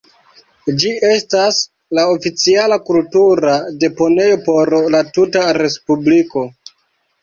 Ĝi estas la oficiala kultura deponejo por la tuta respubliko.